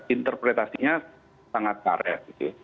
interpretasinya sangat karet gitu